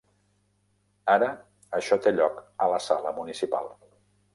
Ara això té lloc a la sala municipal.